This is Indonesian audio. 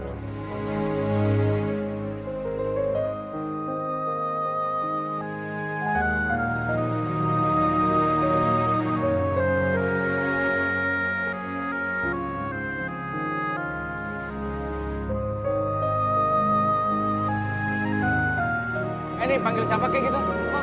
hai ini panggil siapa gitu